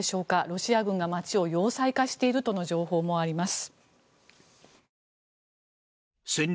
ロシア軍が街を要塞化しているとの情報もあります。